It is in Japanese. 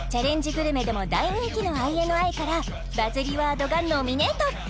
グルメでも大人気のＩＮＩからバズりワードがノミネート